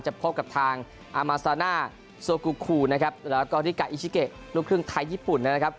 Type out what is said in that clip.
พบกับทางอามาซาน่าโซกูคูนะครับแล้วก็ริกาอิชิเกะลูกครึ่งไทยญี่ปุ่นนะครับ